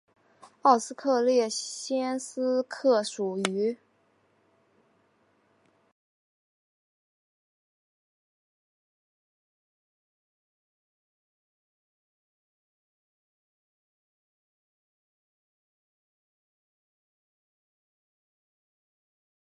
其余规则不详。